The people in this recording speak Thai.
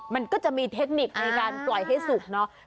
มันก็จะมีเทคนิคในการปล่อยให้สุกเนอะ